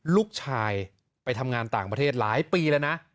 ลูกชายไปทำงานต่างประเทศหลายปีแล้วนะ